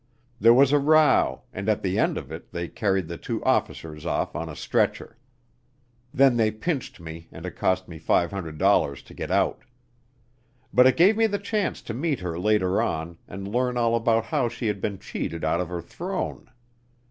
There was a row, and at the end of it they carried the two officers off on a stretcher. Then they pinched me and it cost me $500 to get out. "But it gave me the chance to meet her later on and learn all about how she had been cheated out of her throne.